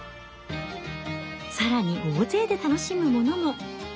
更に大勢で楽しむものも。